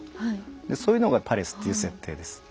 そういうのがパレスっていう設定です。